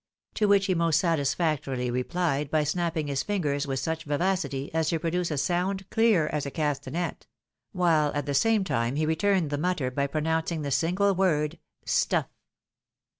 " To which he most satisfactorily replied by snap l)ing his fingers with such vivacity, as to produce a sound clear as a Castanet ; while at the same time he returned the mutter, by pronouncing the single word, " Stuff